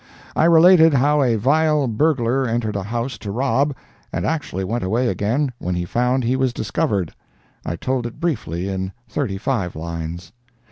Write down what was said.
"I related how a vile burglar entered a house to rob, and actually went away again when he found he was discovered. I told it briefly, in thirty five lines.